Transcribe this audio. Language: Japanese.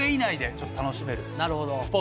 なるほど。